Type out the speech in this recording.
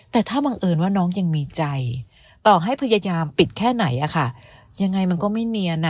แต่ถ้าบังเอิญว่าน้องยังมีใจต่อให้พยายามปิดแค่ไหนอะค่ะยังไงมันก็ไม่เนียน